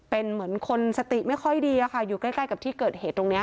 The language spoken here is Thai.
เป็นเหมือนคนสติไม่ค่อยดีอยู่ใกล้กับที่เกิดเหตุตรงนี้